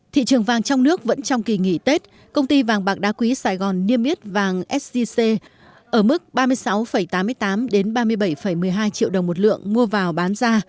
thị trường vàng trong nước vẫn trong kỳ nghỉ tết công ty vàng bạc đá quý sài gòn niêm yết vàng sgc ở mức ba mươi sáu tám mươi tám ba mươi bảy một mươi hai triệu đồng một lượng mua vào bán ra